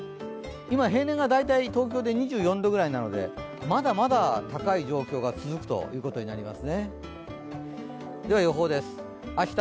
今、平年が大体東京で２４度ぐらいなのでまだまだ高い状況が続くということになります。